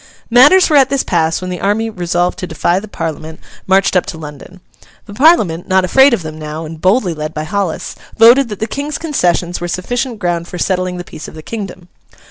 Matters were at this pass when the army, resolved to defy the Parliament, marched up to London. The Parliament, not afraid of them now, and boldly led by Hollis, voted that the King's concessions were sufficient ground for settling the peace of the kingdom.